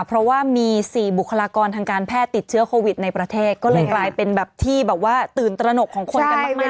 เพราะว่ามี๔บุคลากรทางการแพทย์ติดเชื้อโควิดในประเทศก็เลยกลายเป็นแบบที่แบบว่าตื่นตระหนกของคนกันมาก